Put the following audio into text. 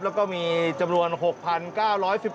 แล้วก็มีจำนวน๖๙๑๑หน่วย